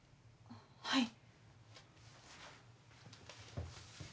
はい。